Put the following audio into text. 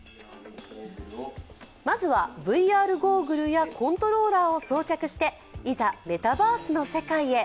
まずはＶＲゴーグルやコントローラーを装着していざメタバースの世界へ。